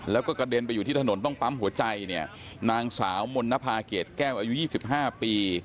แล้วก็กระเด็นไปอยู่ที่ถนนต้องปั๊มหัวใจเนี่ยนางสาวมณภาเกรดแก้วอายุ๒๕ปี